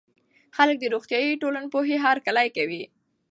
خلګ د روغتيائي ټولنپوهنې هرکلی کوي.